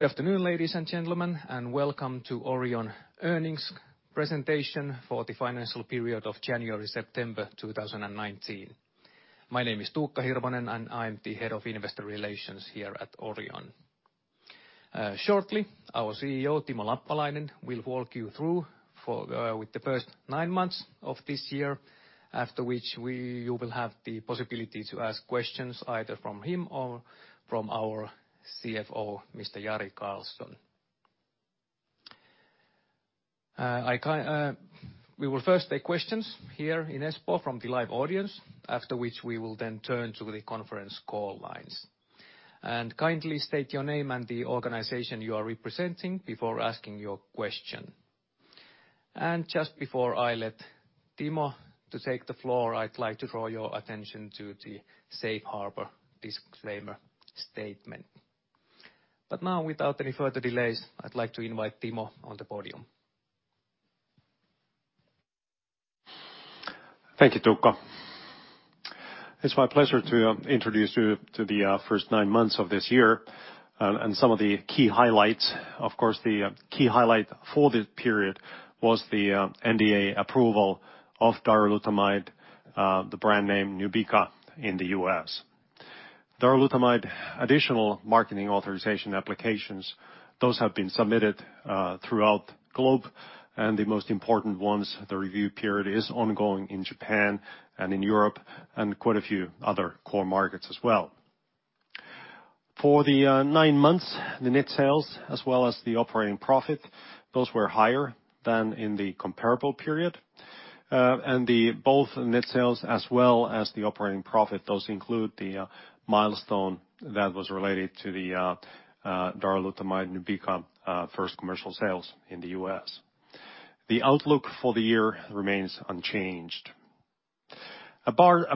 Good afternoon, ladies and gentlemen, welcome to Orion earnings presentation for the financial period of January-September 2019. My name is Tuukka Hirvonen and I'm the Head of Investor Relations here at Orion. Shortly, our CEO, Timo Lappalainen, will walk you through with the first nine months of this year, after which you will have the possibility to ask questions either from him or from our CFO, Mr. Jari Karlson. We will first take questions here in Espoo from the live audience, after which we will then turn to the conference call lines. Kindly state your name and the organization you are representing before asking your question. Just before I let Timo to take the floor, I'd like to draw your attention to the safe harbor disclaimer statement. Now, without any further delays, I'd like to invite Timo on the podium. Thank you, Tuukka. Of course, the key highlight for this period was the NDA approval of darolutamide, the brand name Nubeqa, in the U.S. darolutamide additional marketing authorization applications, those have been submitted throughout globe, and the most important ones, the review period is ongoing in Japan and in Europe, and quite a few other core markets as well. For the nine months, the net sales as well as the operating profit, those were higher than in the comparable period. The both net sales as well as the operating profit, those include the milestone that was related to the darolutamide Nubeqa first commercial sales in the U.S. The outlook for the year remains unchanged. Apart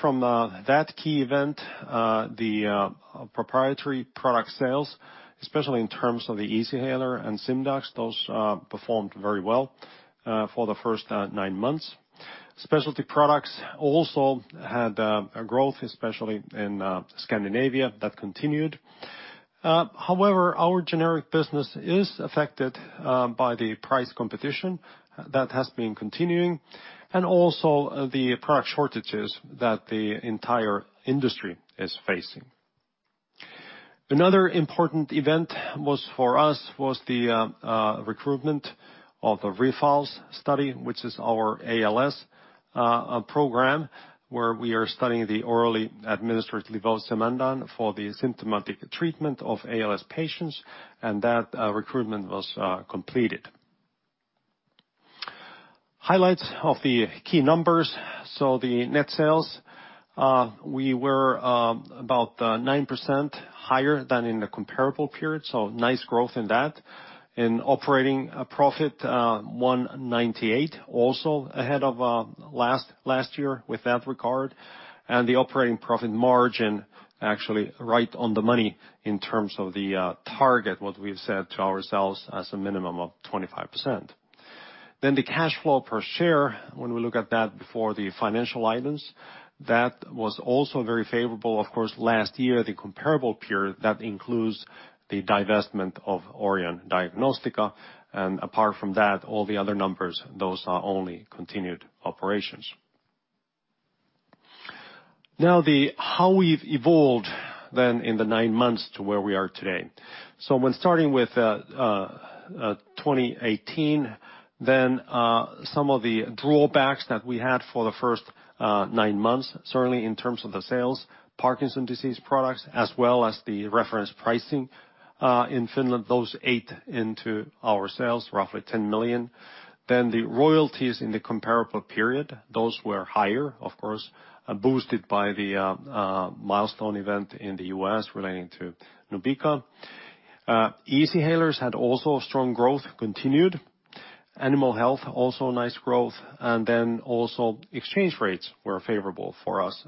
from that key event, the proprietary product sales, especially in terms of the Easyhaler and Simdax, those performed very well for the first nine months. Specialty products also had a growth, especially in Scandinavia, that continued. However, our generic business is affected by the price competition that has been continuing, and also the product shortages that the entire industry is facing. Another important event was, for us, was the recruitment of the REFALS study, which is our ALS program, where we are studying the orally administered levosimendan for the symptomatic treatment of ALS patients, and that recruitment was completed. Highlights of the key numbers. The net sales we were about 9% higher than in the comparable period, so nice growth in that. In operating profit, 198 also ahead of last year with that regard. The operating profit margin actually right on the money in terms of the target, what we've set to ourselves as a minimum of 25%. The cash flow per share, when we look at that before the financial items, that was also very favorable. Of course, last year, the comparable period, that includes the divestment of Orion Diagnostika. Apart from that, all the other numbers, those are only continued operations. The how we've evolved then in the nine months to where we are today. When starting with 2018, then some of the drawbacks that we had for the first nine months, certainly in terms of the sales, Parkinson's disease products, as well as the reference pricing in Finland, those ate into our sales, roughly 10 million. The royalties in the comparable period, those were higher, of course, boosted by the milestone event in the U.S. relating to Nubeqa. Easyhalers had also strong growth continued. Animal health also nice growth, exchange rates were favorable for us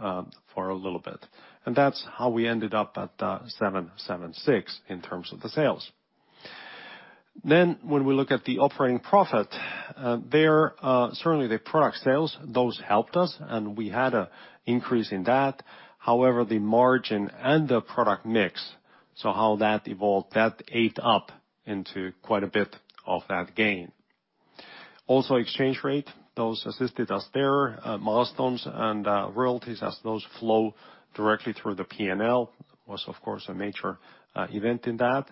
for a little bit. That's how we ended up at 776 in terms of the sales. When we look at the operating profit there, certainly the product sales, those helped us and we had a increase in that. The margin and the product mix, so how that evolved, that ate up into quite a bit of that gain. Exchange rate, those assisted us there. Milestones and royalties as those flow directly through the P&L was of course a major event in that.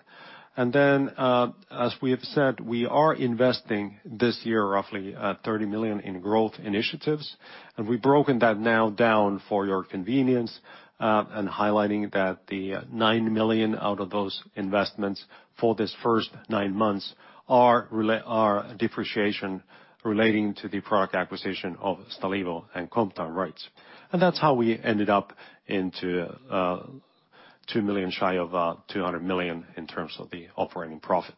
As we have said, we are investing this year roughly 30 million in growth initiatives, and we've broken that now down for your convenience and highlighting that the 9 million out of those investments for this first nine months are differentiation relating to the product acquisition of Stalevo and COMT rights. That's how we ended up into 2 million shy of 200 million in terms of the operating profit.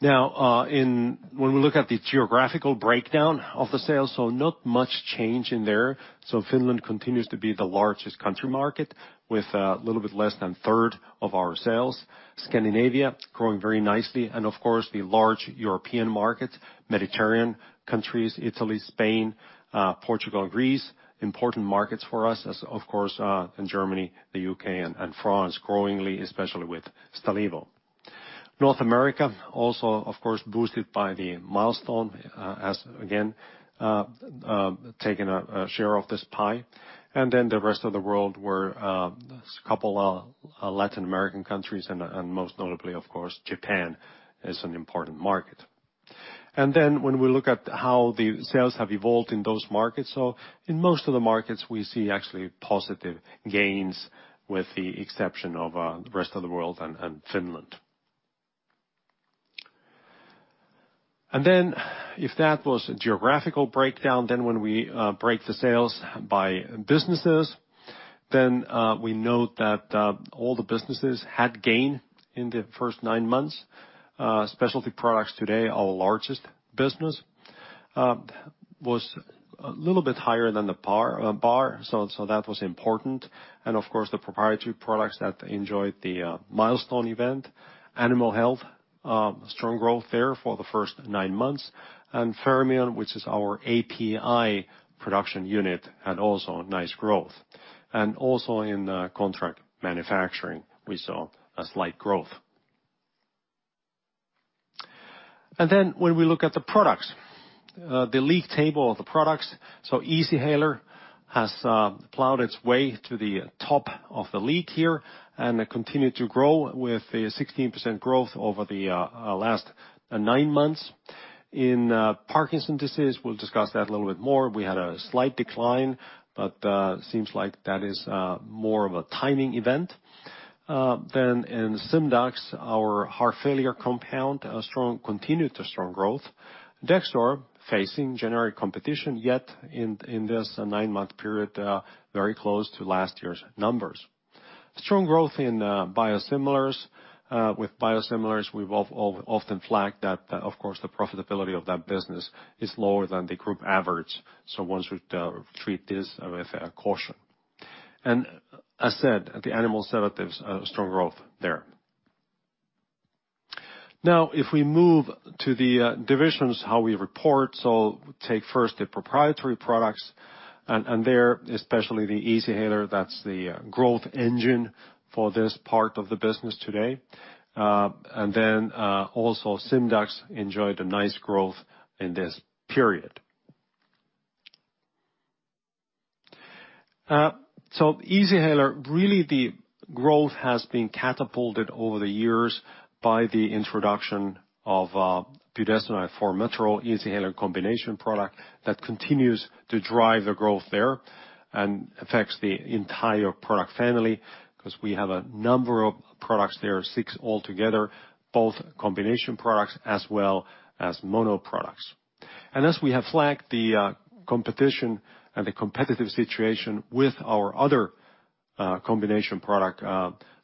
When we look at the geographical breakdown of the sales, not much change in there. Finland continues to be the largest country market with a little bit less than a third of our sales. Scandinavia growing very nicely, of course, the large European markets, Mediterranean countries, Italy, Spain, Portugal, and Greece, important markets for us as, of course, in Germany, the U.K. and France growingly especially with Stalevo. North America also, of course, boosted by the milestone, has again taken a share of this pie. The rest of the world where a couple of Latin American countries and most notably, of course, Japan is an important market. When we look at how the sales have evolved in those markets, so in most of the markets, we see actually positive gains with the exception of the rest of the world and Finland. If that was a geographical breakdown, then when we break the sales by businesses, then we note that all the businesses had gain in the first nine months. Specialty products today, our largest business, was a little bit higher than the bar, so that was important. Of course, the proprietary products that enjoyed the milestone event. Animal health, strong growth there for the first nine months. Fermion, which is our API production unit, had also nice growth. Also in contract manufacturing, we saw a slight growth. When we look at the products, the league table of the products, Easyhaler has plowed its way to the top of the league here and continue to grow with the 16% growth over the last nine months. In Parkinson's disease, we'll discuss that a little bit more. We had a slight decline, seems like that is more of a timing event. In Simdax, our heart failure compound, continued to strong growth. Dexdor, facing generic competition, yet in this nine-month period, very close to last year's numbers. Strong growth in biosimilars. With biosimilars, we've often flagged that, of course, the profitability of that business is lower than the group average, so one should treat this with caution. As said, the animal sedatives, strong growth there. Now, if we move to the divisions, how we report, so take first the proprietary products, and there, especially the Easyhaler, that's the growth engine for this part of the business today. Then also Simdax enjoyed a nice growth in this period. Easyhaler, really the growth has been catapulted over the years by the introduction of budesonide formoterol Easyhaler combination product that continues to drive the growth there and affects the entire product family, because we have a number of products there, six altogether, both combination products as well as mono products. As we have flagged the competition and the competitive situation with our other combination product,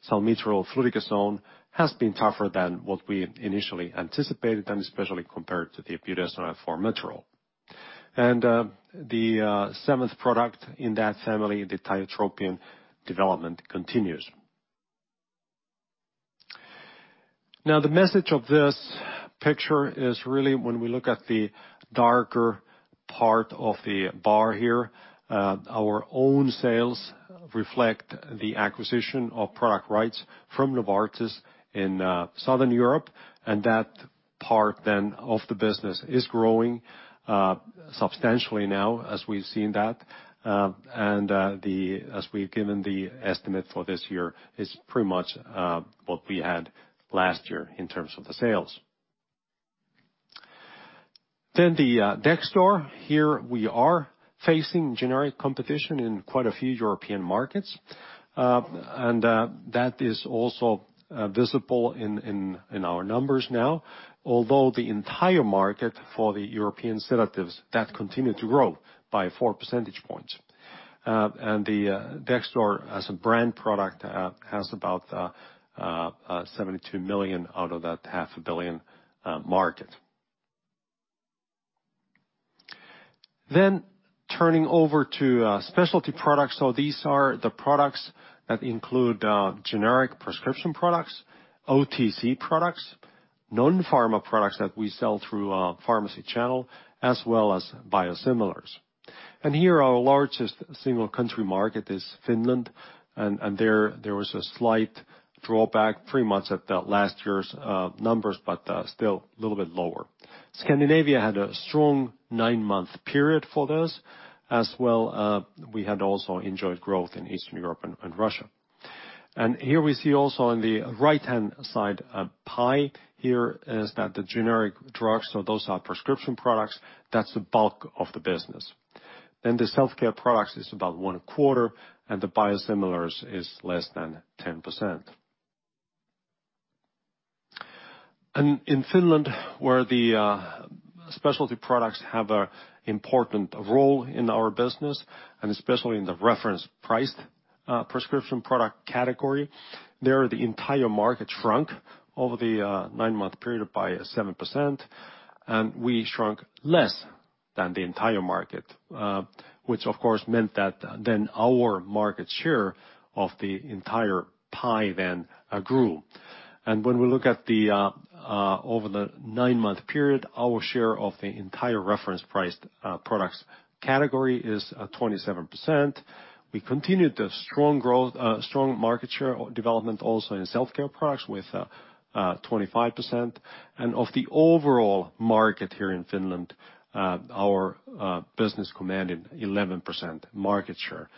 salmeterol fluticasone, has been tougher than what we initially anticipated, and especially compared to the budesonide formoterol. The seventh product in that family, the tiotropium development continues. The message of this picture is really when we look at the darker part of the bar here, our own sales reflect the acquisition of product rights from Novartis in Southern Europe, and that part then of the business is growing substantially now as we've seen that. As we've given the estimate for this year, is pretty much what we had last year in terms of the sales. The Dexdor, here we are facing generic competition in quite a few European markets, that is also visible in our numbers now, although the entire market for the European sedatives, that continued to grow by 4 percentage points. The Dexdor as a brand product has about 72 million out of that half a billion market. Turning over to specialty products. These are the products that include generic prescription products, OTC products, non-pharma products that we sell through a pharmacy channel, as well as biosimilars. Here our largest single country market is Finland, there was a slight drawback, pretty much at the last year's numbers, but still a little bit lower. Scandinavia had a strong nine-month period for this. As well, we had also enjoyed growth in Eastern Europe and Russia. Here we see also on the right-hand side a pie here is that the generic drugs, so those are prescription products, that's the bulk of the business. The self-care products is about one-quarter, and the biosimilars is less than 10%. In Finland, where the specialty products have an important role in our business, and especially in the reference priced prescription product category, there the entire market shrunk over the nine-month period by 7%, we shrunk less than the entire market, which of course meant that our market share of the entire pie grew. When we look over the nine-month period, our share of the entire reference priced products category is 27%. We continued the strong market share development also in self-care products with 25%. Of the overall market here in Finland, our business commanded 11% market share,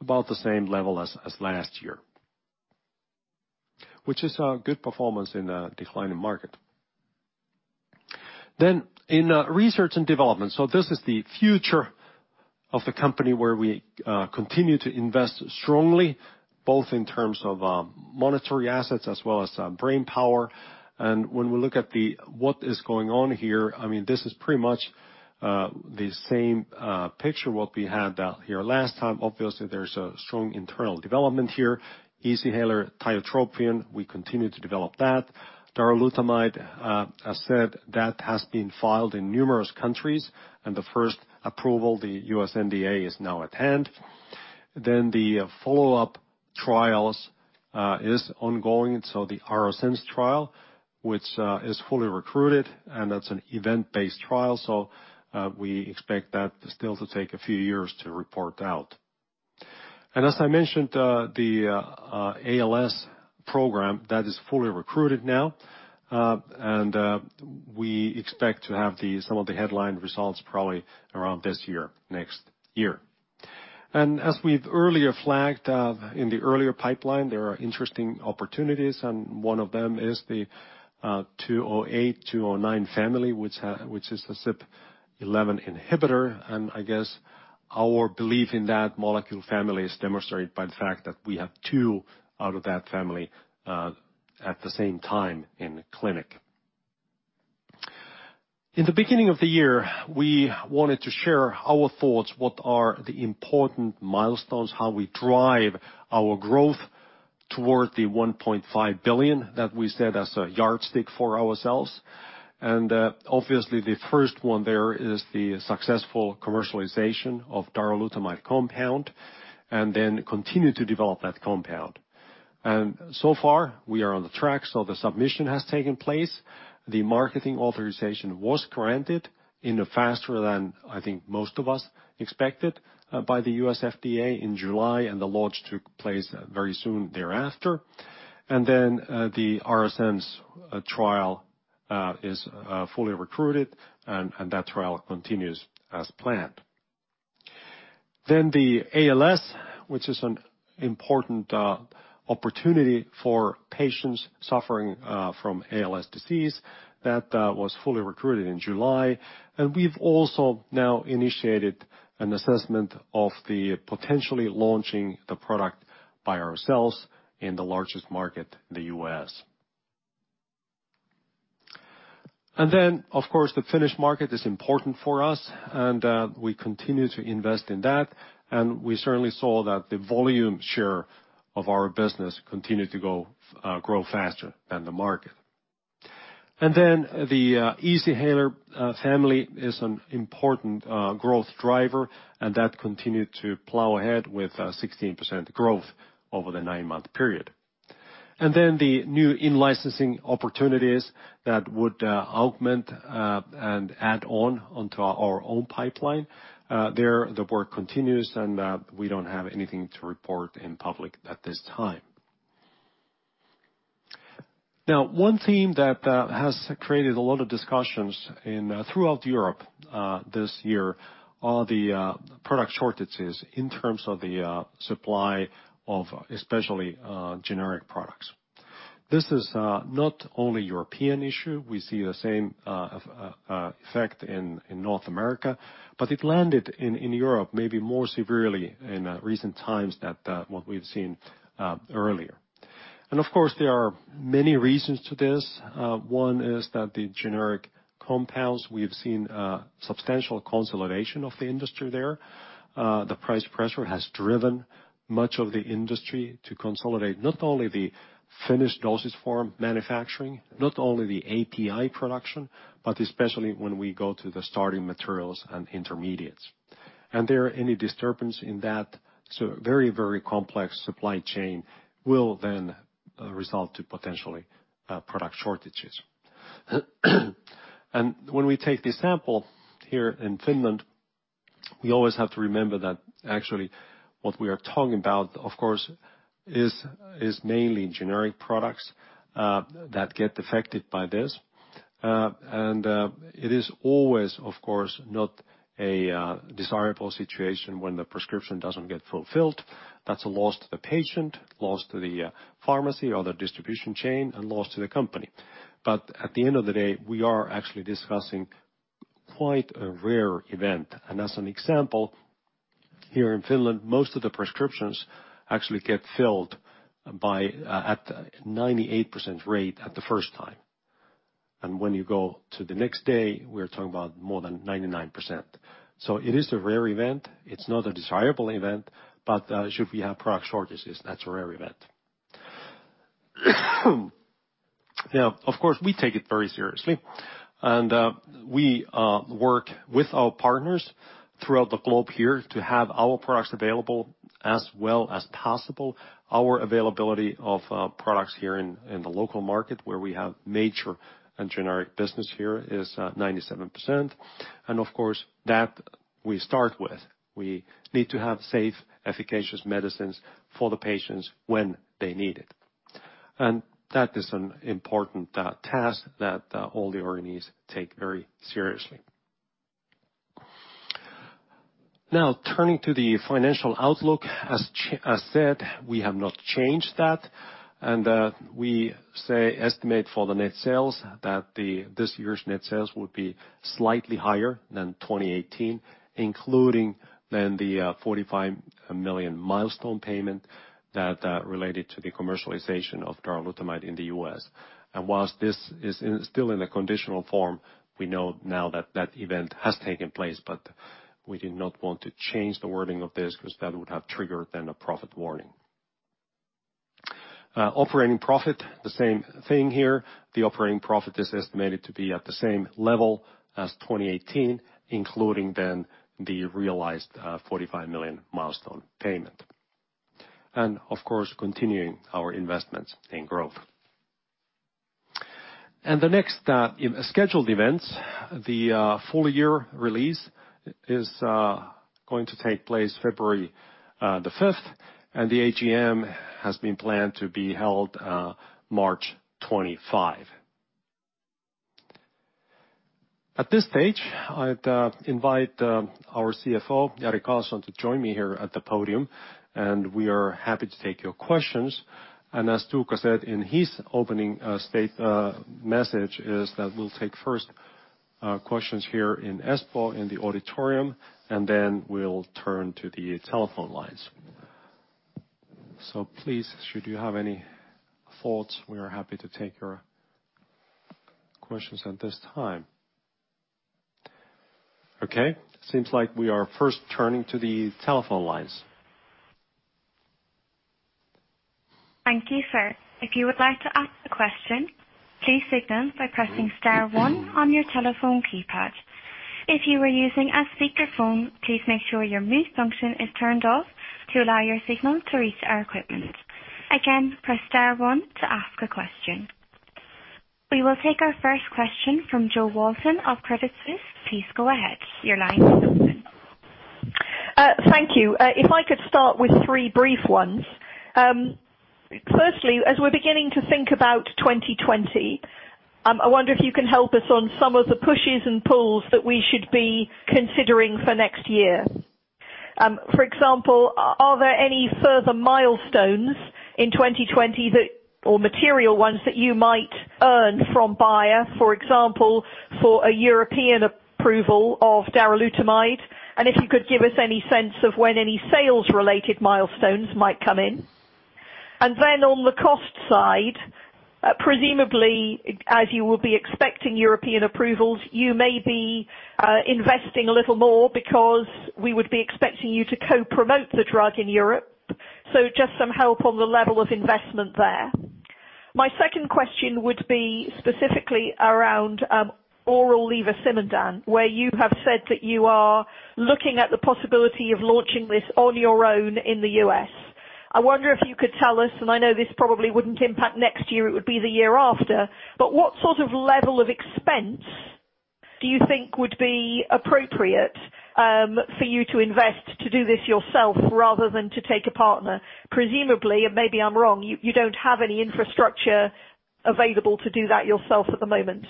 about the same level as last year. Which is a good performance in a declining market. In research and development, this is the future of the company, where we continue to invest strongly, both in terms of monetary assets as well as brainpower. When we look at what is going on here, this is pretty much the same picture what we had here last time. Obviously, there's a strong internal development here. Easyhaler tiotropium, we continue to develop that. darolutamide, as said, that has been filed in numerous countries, and the first approval, the U.S. NDA, is now at hand. The follow-up trials is ongoing. The ARASENS trial, which is fully recruited, and that's an event-based trial, we expect that still to take a few years to report out. As I mentioned, the ALS program, that is fully recruited now, and we expect to have some of the headline results probably around this year, next year. As we've earlier flagged, in the earlier pipeline, there are interesting opportunities, and one of them is the 208, 209 family, which is a CYP11A1 inhibitor. I guess our belief in that molecule family is demonstrated by the fact that we have two out of that family at the same time in clinic. In the beginning of the year, we wanted to share our thoughts, what are the important milestones, how we drive our growth toward the 1.5 billion that we set as a yardstick for ourselves. Obviously, the first one there is the successful commercialization of darolutamide compound, and then continue to develop that compound. So far, we are on track. The submission has taken place. The marketing authorization was granted in a faster than, I think, most of us expected by the U.S. FDA in July, and the launch took place very soon thereafter. The ARASENS trial is fully recruited, and that trial continues as planned. The ALS, which is an important opportunity for patients suffering from ALS disease, that was fully recruited in July. We've also now initiated an assessment of the potentially launching the product by ourselves in the largest market, the U.S. Of course, the Finnish market is important for us, and we continue to invest in that. We certainly saw that the volume share of our business continued to grow faster than the market. The Easyhaler family is an important growth driver, and that continued to plow ahead with 16% growth over the nine-month period. The new in-licensing opportunities that would augment and add on onto our own pipeline. There the work continues, and we don't have anything to report in public at this time. One theme that has created a lot of discussions throughout Europe this year are the product shortages in terms of the supply of especially generic products. This is not only a European issue, we see the same effect in North America, but it landed in Europe maybe more severely in recent times than what we've seen earlier. Of course, there are many reasons to this. One is that the generic compounds, we have seen a substantial consolidation of the industry there. The price pressure has driven much of the industry to consolidate not only the finished dosage form manufacturing, not only the API production, but especially when we go to the starting materials and intermediates. Any disturbance in that very complex supply chain will then result to potentially product shortages. When we take the sample here in Finland, we always have to remember that actually what we are talking about, of course, is mainly generic products that get affected by this. It is always, of course, not a desirable situation when the prescription doesn't get fulfilled. That's a loss to the patient, loss to the pharmacy or the distribution chain, and loss to the company. At the end of the day, we are actually discussing quite a rare event. As an example, here in Finland, most of the prescriptions actually get filled at 98% rate at the first time. When you go to the next day, we are talking about more than 99%. It is a rare event. It's not a desirable event. Should we have product shortages, that's a rare event. Of course, we take it very seriously. We work with our partners throughout the globe here to have our products available as well as possible. Our availability of products here in the local market, where we have major and generic business here, is 97%. Of course, that we start with. We need to have safe, efficacious medicines for the patients when they need it. That is an important task that all the Orion take very seriously. Turning to the financial outlook. As said, we have not changed that, we estimate for the net sales that this year's net sales will be slightly higher than 2018, including than the 45 million milestone payment related to the commercialization of darolutamide in the U.S. While this is still in a conditional form, we know now that that event has taken place, but we did not want to change the wording of this because that would have triggered then a profit warning. Operating profit, the same thing here. The operating profit is estimated to be at the same level as 2018, including then the realized 45 million milestone payment. Continuing our investments in growth. The next scheduled events, the full year release is going to take place February 5, and the AGM has been planned to be held March 25. At this stage, I'd invite our CFO, Jari Karlson, to join me here at the podium, and we are happy to take your questions. As Tuukka said in his opening message, is that we'll take first questions here in Espoo in the auditorium, and then we'll turn to the telephone lines. Please, should you have any thoughts, we are happy to take your questions at this time. Okay. Seems like we are first turning to the telephone lines. Thank you, sir. If you would like to ask a question, please signal by pressing star one on your telephone keypad. If you are using a speakerphone, please make sure your mute function is turned off to allow your signal to reach our equipment. Again, press star one to ask a question. We will take our first question from Jo Walton of Credit Suisse. Please go ahead. Your line is open. Thank you. If I could start with three brief ones. Firstly, as we're beginning to think about 2020, I wonder if you can help us on some of the pushes and pulls that we should be considering for next year. For example, are there any further milestones in 2020, or material ones, that you might earn from Bayer, for example, for a European approval of darolutamide? If you could give us any sense of when any sales-related milestones might come in. On the cost side, presumably as you will be expecting European approvals, you may be investing a little more because we would be expecting you to co-promote the drug in Europe. Just some help on the level of investment there. My second question would be specifically around oral levosimendan, where you have said that you are looking at the possibility of launching this on your own in the U.S. I wonder if you could tell us, and I know this probably wouldn't impact next year, it would be the year after. What sort of level of expense do you think would be appropriate for you to invest to do this yourself rather than to take a partner? Presumably, and maybe I'm wrong, you don't have any infrastructure available to do that yourself at the moment.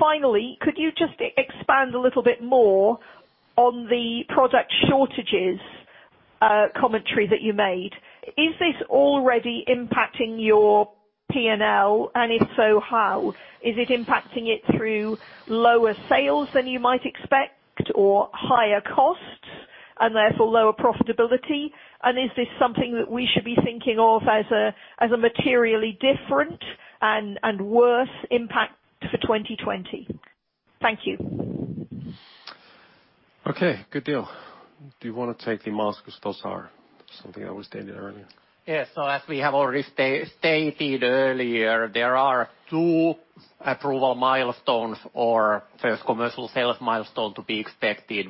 Finally, could you just expand a little bit more on the product shortages commentary that you made? Is this already impacting your P&L, and if so, how? Is it impacting it through lower sales than you might expect or higher costs and therefore lower profitability? Is this something that we should be thinking of as a materially different and worse impact for 2020? Thank you. Okay, good deal. Do you want to take the milestone question? Something that was stated earlier. Yes. As we have already stated earlier, there are two approval milestones or first commercial sales milestone to be expected.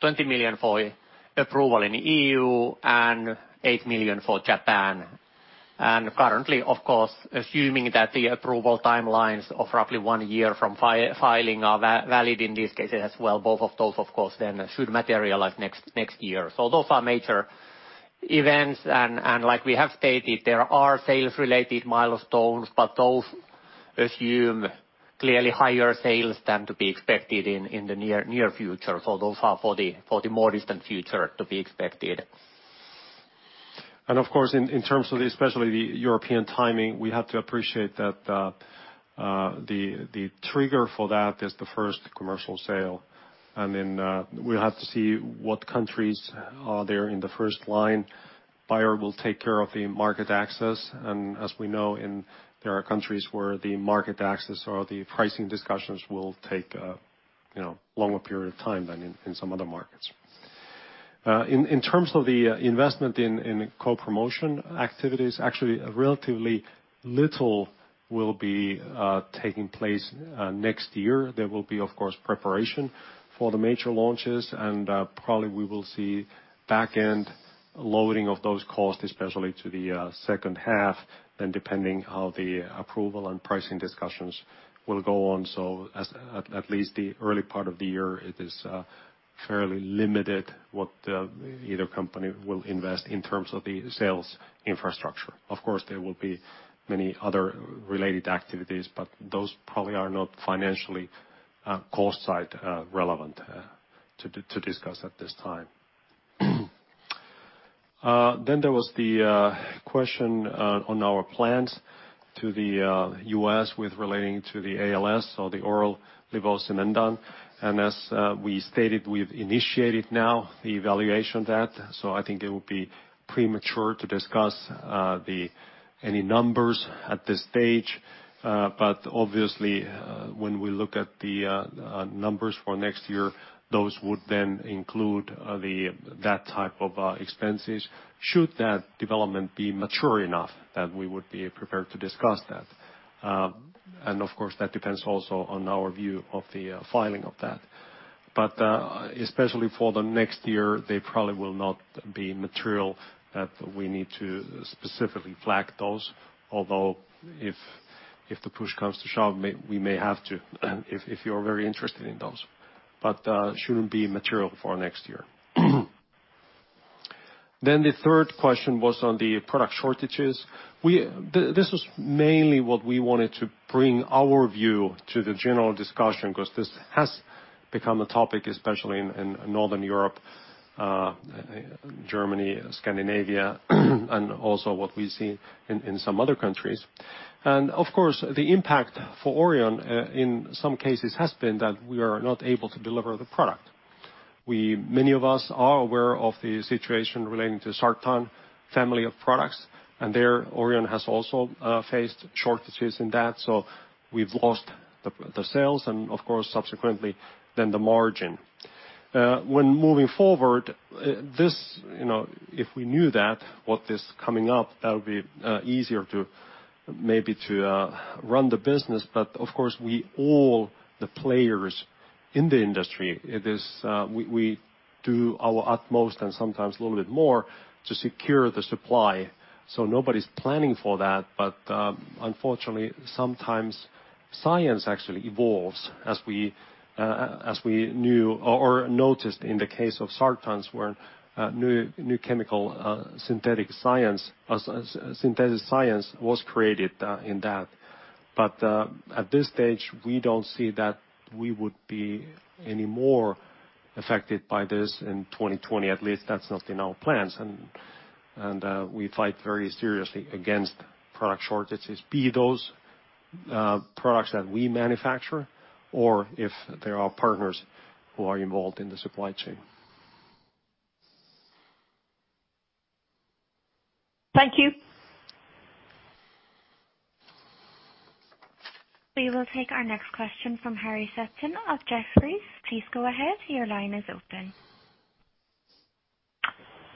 20 million for approval in the EU and 8 million for Japan. Currently, of course, assuming that the approval timelines of roughly one year from filing are valid in these cases as well, both of those of course then should materialize next year. Those are major events and like we have stated, there are sales-related milestones, but those assume clearly higher sales than to be expected in the near future. Those are for the more distant future to be expected. Of course, in terms of especially the European timing, we have to appreciate that the trigger for that is the first commercial sale. Then we'll have to see what countries are there in the first line. Bayer will take care of the market access. As we know, there are countries where the market access or the pricing discussions will take a longer period of time than in some other markets. In terms of the investment in co-promotion activities, actually relatively little will be taking place next year. There will be, of course, preparation for the major launches and probably we will see back end loading of those costs, especially to the second half, and depending how the approval and pricing discussions will go on. At least the early part of the year, it is fairly limited what either company will invest in terms of the sales infrastructure. Of course, there will be many other related activities, but those probably are not financially cost side relevant to discuss at this time. There was the question on our plans to the U.S. with relating to the ALS or the oral levosimendan. As we stated, we've initiated now the evaluation of that. I think it would be premature to discuss any numbers at this stage. Obviously, when we look at the numbers for next year, those would then include that type of expenses should that development be mature enough that we would be prepared to discuss that. Of course, that depends also on our view of the filing of that. Especially for the next year, they probably will not be material that we need to specifically flag those. Although, if the push comes to shove, we may have to, if you're very interested in those. Shouldn't be material for next year. The third question was on the product shortages. This was mainly what we wanted to bring our view to the general discussion, because this has become a topic, especially in Northern Europe, Germany, Scandinavia, and also what we see in some other countries. Of course, the impact for Orion in some cases has been that we are not able to deliver the product. Many of us are aware of the situation relating to Sartan family of products, and there Orion has also faced shortages in that. We've lost the sales and of course, subsequently, then the margin. When moving forward, if we knew that, what is coming up, that would be easier maybe to run the business. Of course, we, all the players in the industry, we do our utmost and sometimes a little bit more to secure the supply. Nobody's planning for that, but unfortunately, sometimes science actually evolves, as we knew or noticed in the case of sartans where new chemical synthetic science was created in that. At this stage, we don't see that we would be any more affected by this in 2020, at least that's not in our plans. We fight very seriously against product shortages, be those products that we manufacture or if there are partners who are involved in the supply chain. Thank you. We will take our next question from Harry Sutton of Jefferies. Please go ahead. Your line is open.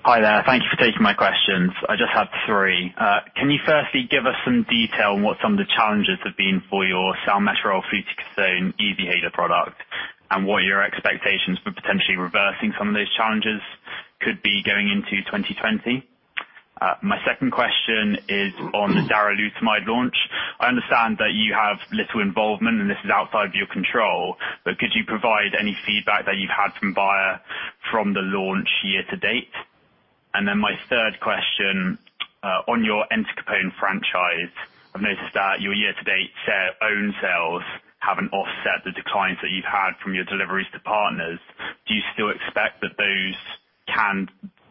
Hi there. Thank you for taking my questions. I just have three. Can you firstly give us some detail on what some of the challenges have been for your salmeterol fluticasone Easyhaler product and what your expectations for potentially reversing some of those challenges could be going into 2020? My second question is on the darolutamide launch. I understand that you have little involvement and this is outside of your control, could you provide any feedback that you've had from Bayer from the launch year to date? My third question, on your entacapone franchise, I've noticed that your year-to-date own sales haven't offset the declines that you've had from your deliveries to partners. Do you still expect that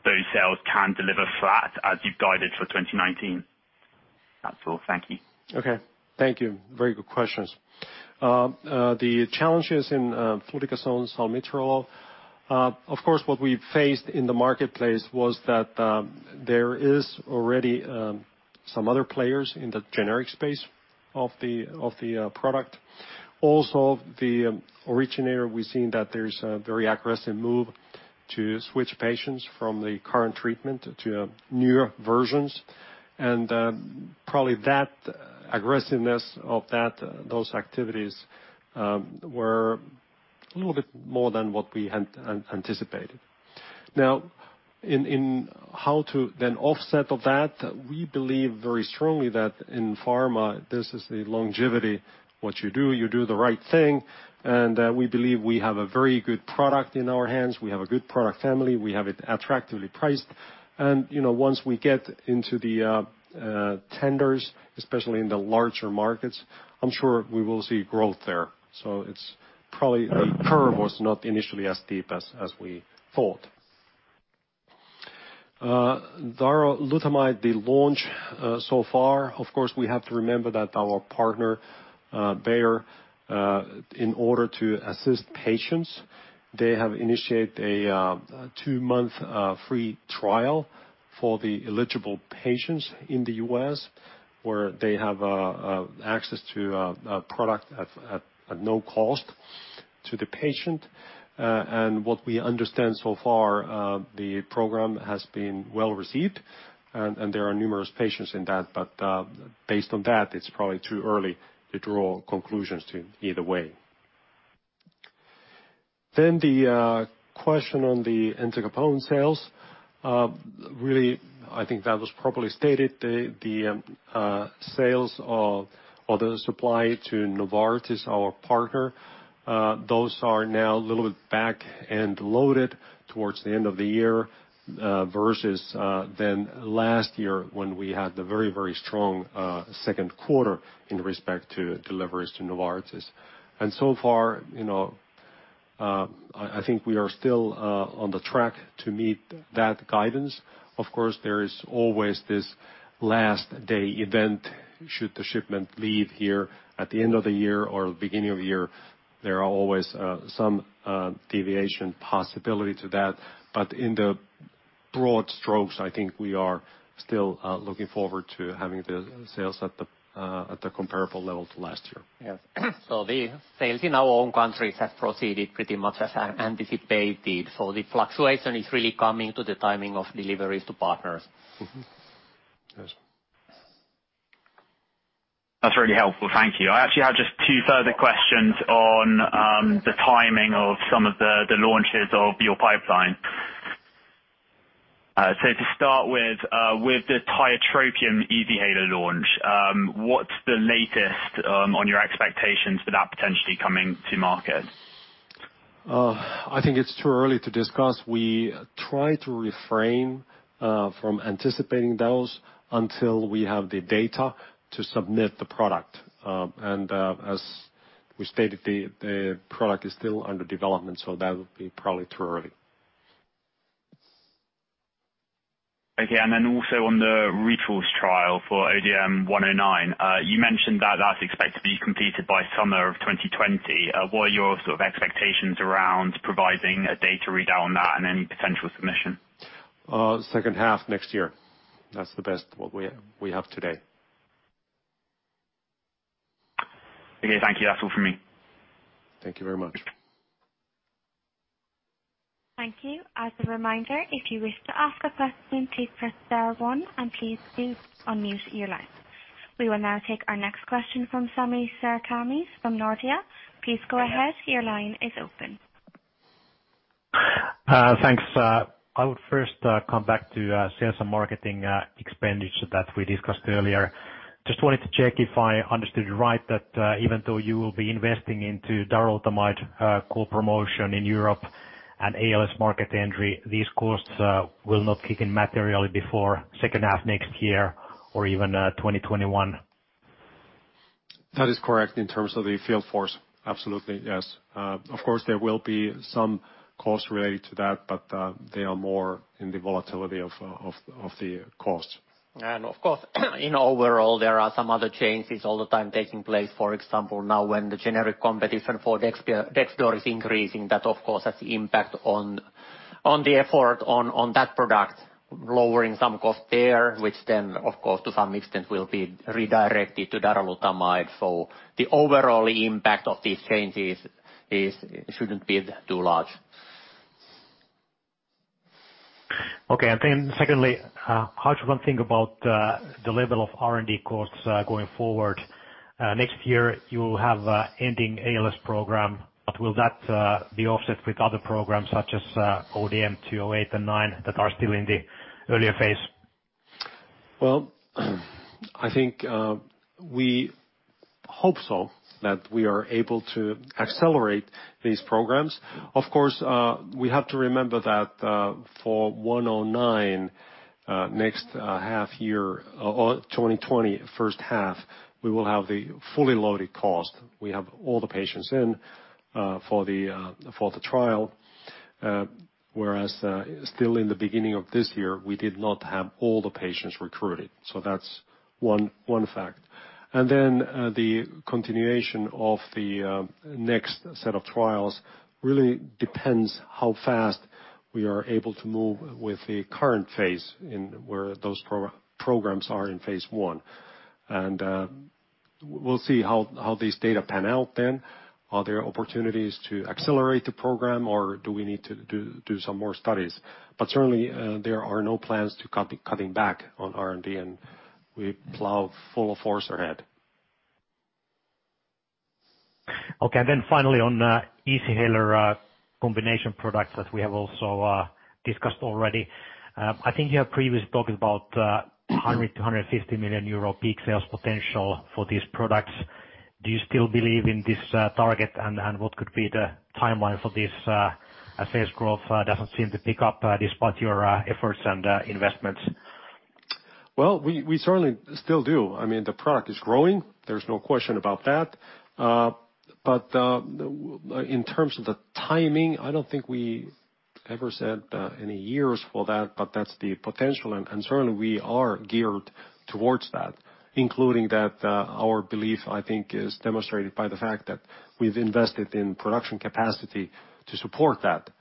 those sales can deliver flat as you've guided for 2019? That's all. Thank you. Okay. Thank you. Very good questions. The challenges in fluticasone salmeterol, of course, what we faced in the marketplace was that there is already some other players in the generic space of the product. The originator, we've seen that there is a very aggressive move to switch patients from the current treatment to newer versions. Probably that aggressiveness of those activities were a little bit more than what we had anticipated. In how to then offset that, we believe very strongly that in pharma, this is the longevity, what you do, you do the right thing. We believe we have a very good product in our hands. We have a good product family. We have it attractively priced. Once we get into the tenders, especially in the larger markets, I'm sure we will see growth there. It's probably the curve was not initially as steep as we thought. Darolutamide, the launch so far, of course, we have to remember that our partner, Bayer, in order to assist patients, they have initiated a two-month free trial for the eligible patients in the U.S. where they have access to a product at no cost to the patient. What we understand so far, the program has been well-received, and there are numerous patients in that. Based on that, it's probably too early to draw conclusions to either way. The question on the entacapone sales, really, I think that was properly stated. The sales or the supply to Novartis, our partner, those are now a little bit back and loaded towards the end of the year versus then last year when we had the very, very strong second quarter in respect to deliveries to Novartis. I think we are still on the track to meet that guidance. Of course, there is always this last day event. Should the shipment leave here at the end of the year or beginning of the year, there are always some deviation possibility to that. In the broad strokes, I think we are still looking forward to having the sales at the comparable level to last year. Yes. The sales in our own countries have proceeded pretty much as anticipated. The fluctuation is really coming to the timing of deliveries to partners. Yes. That's really helpful, thank you. I actually have just two further questions on the timing of some of the launches of your pipeline. To start with the tiotropium Easyhaler launch, what's the latest on your expectations for that potentially coming to market? I think it is too early to discuss. We try to refrain from anticipating those until we have the data to submit the product. As we stated, the product is still under development, that would be probably too early. Okay, also on the REFALS trial for ODM-109, you mentioned that's expected to be completed by summer of 2020. What are your sort of expectations around providing a data readout on that and any potential submission? Second half next year. That's the best, what we have today. Okay, thank you. That's all for me. Thank you very much. Thank you. As a reminder, if you wish to ask a question, please press star one and please do unmute your line. We will now take our next question from Sami Sarkamies from Nordea. Please go ahead. Your line is open. Thanks. I would first come back to sales and marketing expenditure that we discussed earlier. Just wanted to check if I understood right, that even though you will be investing into darolutamide co-promotion in Europe and ALS market entry, these costs will not kick in materially before second half next year or even 2021? That is correct in terms of the field force. Absolutely, yes. Of course, there will be some costs related to that, but they are more in the volatility of the cost. Of course, in overall, there are some other changes all the time taking place. For example, now when the generic competition for Dexdor is increasing, that of course has impact on the effort on that product, lowering some cost there, which then, of course, to some extent will be redirected to darolutamide. So the overall impact of these changes shouldn't be too large. Okay. Secondly, how to then think about the level of R&D costs going forward? Next year you will have ending ALS program, will that be offset with other programs such as ODM-208 and ODM-209 that are still in the earlier phase? Well, I think we hope so, that we are able to accelerate these programs. Of course, we have to remember that for 109, next half year or 2020 first half, we will have the fully loaded cost. We have all the patients in for the trial, whereas still in the beginning of this year, we did not have all the patients recruited. That's one fact. The continuation of the next set of trials really depends how fast we are able to move with the current phase in where those programs are in phase I. We'll see how this data pan out then. Are there opportunities to accelerate the program or do we need to do some more studies? Certainly, there are no plans to cutting back on R&D and we plow full force ahead. Okay. Then finally on Easyhaler combination product that we have also discussed already. I think you have previously talked about 100 million euro to 150 million euro peak sales potential for these products. Do you still believe in this target? What could be the timeline for this? Sales growth doesn't seem to pick up despite your efforts and investments. Well, we certainly still do. I mean, the product is growing, there's no question about that. In terms of the timing, I don't think we ever said any years for that, but that's the potential and certainly we are geared towards that, including that our belief, I think is demonstrated by the fact that we've invested in production capacity to support that.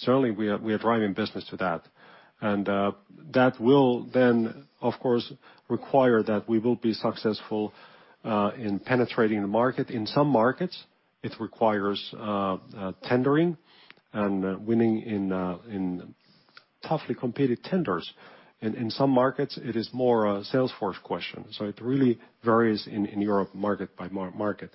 Certainly we are driving business to that. That will then of course require that we will be successful in penetrating the market. In some markets it requires tendering and winning in toughly competed tenders. In some markets it is more a sales force question. It really varies in Europe market by market.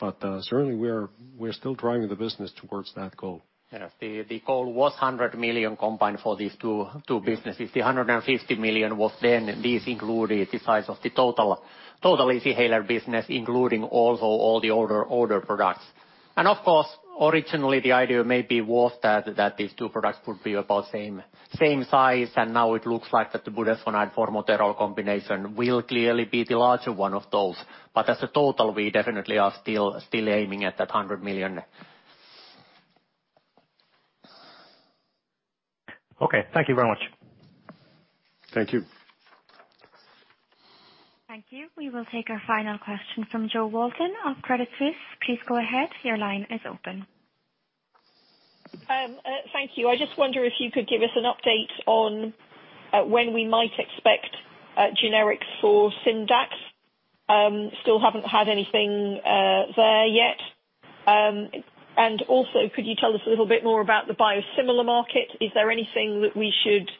Certainly we're still driving the business towards that goal. Yes. The goal was 100 million combined for these two businesses. The 150 million was then these included the size of the total Easyhaler business including also all the older products. Of course, originally the idea maybe was that these two products would be about same size and now it looks like that the budesonide formoterol combination will clearly be the larger one of those. As a total we definitely are still aiming at that 100 million. Okay, thank you very much. Thank you. Thank you. We will take our final question from Jo Walton of Credit Suisse. Please go ahead. Your line is open. Thank you. I just wonder if you could give us an update on when we might expect generics for Simdax. Still haven't had anything there yet. Also, could you tell us a little bit more about the biosimilar market? Is there anything that we should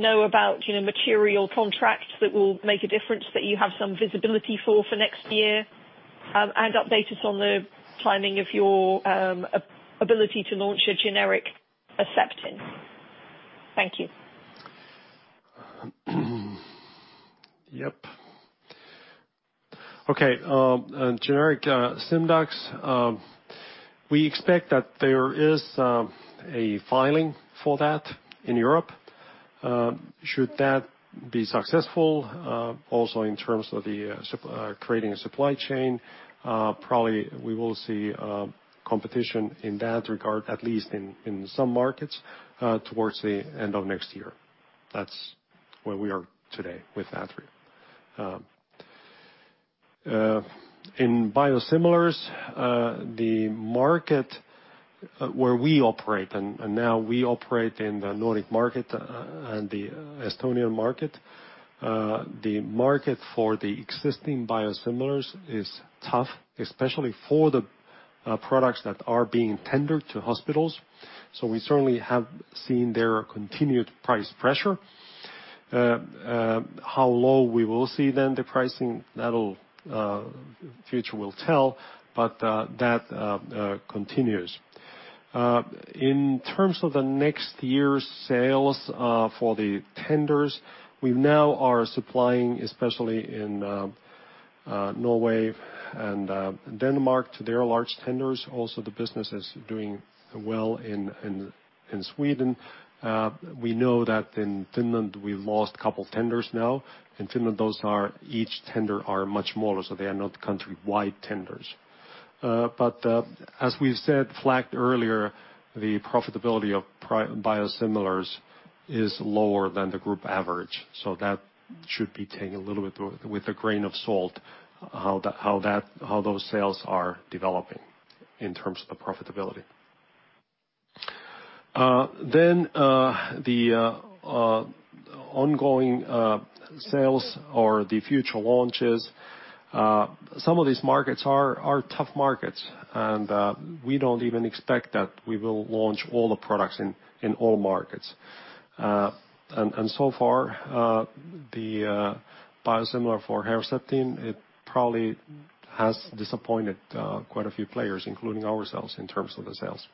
know about material contracts that will make a difference that you have some visibility for next year? Update us on the timing of your ability to launch a generic Herceptin. Thank you. Okay. Generic Simdax, we expect that there is a filing for that in Europe. Should that be successful, also in terms of creating a supply chain, probably we will see competition in that regard, at least in some markets, towards the end of next year. That's where we are today with that. In biosimilars, the market where we operate, now we operate in the Nordic market and the Estonian market. The market for the existing biosimilars is tough, especially for the products that are being tendered to hospitals. We certainly have seen their continued price pressure. How low we will see then the pricing, future will tell, but that continues. In terms of the next year's sales for the tenders, we now are supplying, especially in Norway and Denmark, to their large tenders. Also, the business is doing well in Sweden. We know that in Finland, we lost a couple tenders now. In Finland, those are each tender are much smaller, they are not countrywide tenders. As we said, flagged earlier, the profitability of biosimilars is lower than the group average, that should be taken a little bit with a grain of salt, how those sales are developing in terms of the profitability. The ongoing sales or the future launches. Some of these markets are tough markets, we don't even expect that we will launch all the products in all markets. So far, the biosimilar for Herceptin, it probably has disappointed quite a few players, including ourselves, in terms of the sales.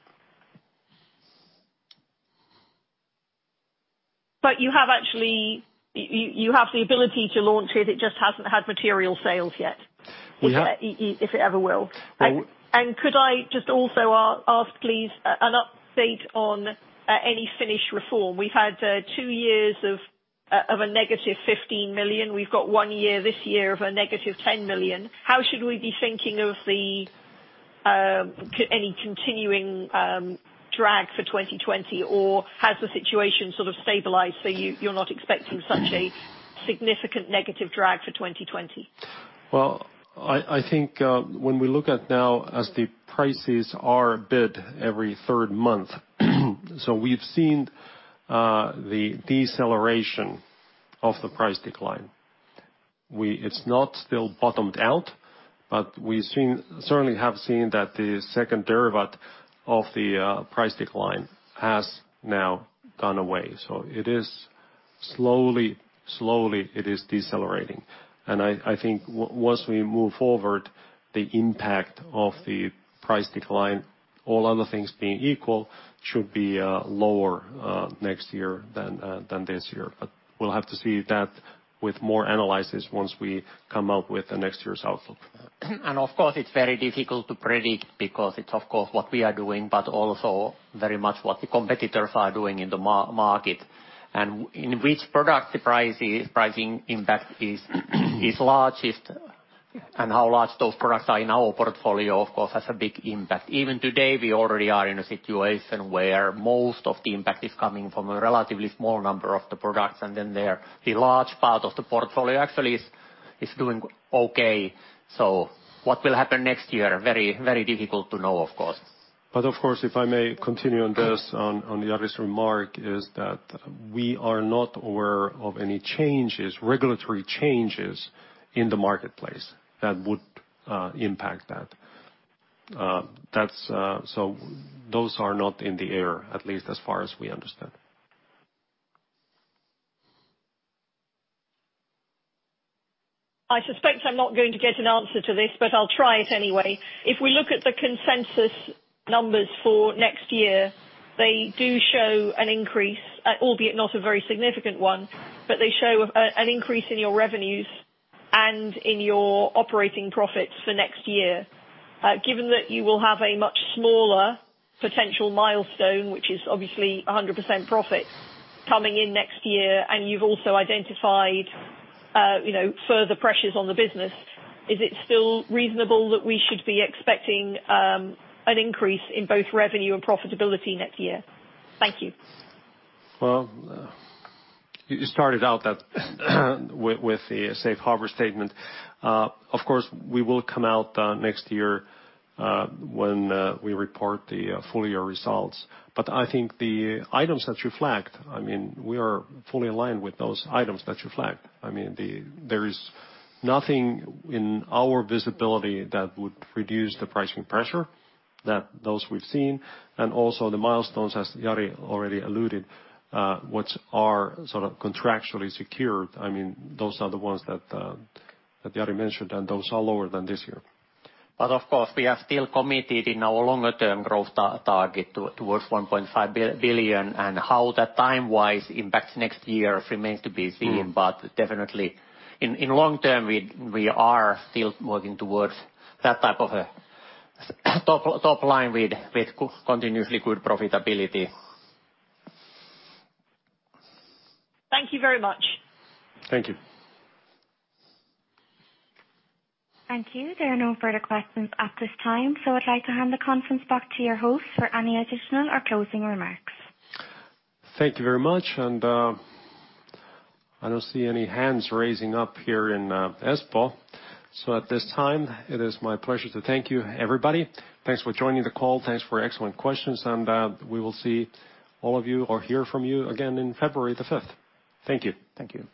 You have the ability to launch it just hasn't had material sales yet. Yeah if it ever will. I- Could I just also ask, please, an update on any Finnish reform. We've had two years of a negative 15 million. We've got one year this year of a negative 10 million. How should we be thinking of any continuing drag for 2020? Or has the situation sort of stabilized so you're not expecting such a significant negative drag for 2020? Well, I think when we look at now as the prices are bid every third month, we've seen the deceleration of the price decline. It's not still bottomed out, we certainly have seen that the second derivate of the price decline has now gone away. It is slowly decelerating. I think once we move forward, the impact of the price decline, all other things being equal, should be lower next year than this year. We'll have to see that with more analysis once we come out with the next year's outlook. Of course, it's very difficult to predict because it's of course what we are doing, but also very much what the competitors are doing in the market, and in which product the pricing impact is largest, and how large those products are in our portfolio, of course, has a big impact. Even today, we already are in a situation where most of the impact is coming from a relatively small number of the products, and then the large part of the portfolio actually is doing okay. What will happen next year? Very difficult to know, of course. Of course, if I may continue on this, on Jari's remark, is that we are not aware of any regulatory changes in the marketplace that would impact that. Those are not in the air, at least as far as we understand. I suspect I'm not going to get an answer to this, but I'll try it anyway. If we look at the consensus numbers for next year, they do show an increase, albeit not a very significant one, but they show an increase in your revenues and in your operating profits for next year. Given that you will have a much smaller potential milestone, which is obviously 100% profit, coming in next year, and you've also identified further pressures on the business, is it still reasonable that we should be expecting an increase in both revenue and profitability next year? Thank you. You started out that with the safe harbor statement. Of course, we will come out next year when we report the full year results. I think the items that you flagged, we are fully aligned with those items that you flagged. There is nothing in our visibility that would reduce the pricing pressure than those we've seen, and also the milestones, as Jari already alluded, which are sort of contractually secured. Those are the ones that Jari mentioned, and those are lower than this year. Of course, we are still committed in our longer term growth target towards 1.5 billion, and how that time-wise impacts next year remains to be seen. Definitely in long term, we are still working towards that type of a top line with continuously good profitability. Thank you very much. Thank you. Thank you. There are no further questions at this time. I'd like to hand the conference back to your host for any additional or closing remarks. Thank you very much. I don't see any hands raising up here in Espoo. At this time, it is my pleasure to thank you, everybody. Thanks for joining the call. Thanks for excellent questions, and we will see all of you or hear from you again on February the 5th. Thank you. Thank you.